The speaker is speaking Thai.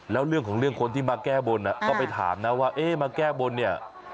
แล้วเรื่องของเรื่องคนที่มาแก้บนก็ไปถามนะว่าเอ๊ะมาแก้บนเนี่ย